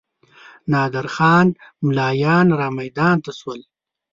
نادر خان ملایان رامیدان ته شول.